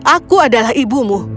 aku adalah ibumu